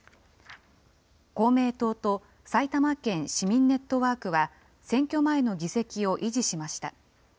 公明党と埼玉県市民ネットワークは選挙前の議席を維持しました。